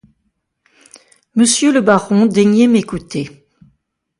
Monsieur le baron, daignez m'écouter.